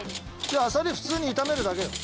あさりを普通に炒めるだけよ。